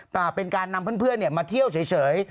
เป็นการนำเพื่อนมาเที่ยวเฉย